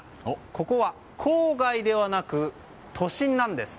ここは郊外ではなく都心なんです。